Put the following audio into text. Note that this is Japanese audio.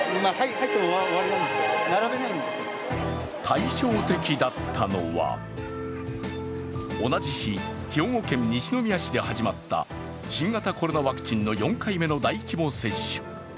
対照的だったのは同じ日、兵庫県西宮市で始まった新型コロナウイルスワクチンの４回目の大規模接種。